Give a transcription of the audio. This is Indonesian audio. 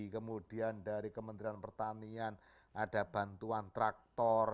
kemudian dari kementerian pertanian ada bantuan traktor